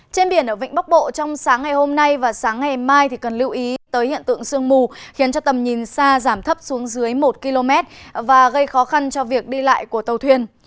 trên biển ở vịnh bắc bộ trong sáng ngày hôm nay và sáng ngày mai cần lưu ý tới hiện tượng sương mù khiến cho tầm nhìn xa giảm thấp xuống dưới một km và gây khó khăn cho việc đi lại của tàu thuyền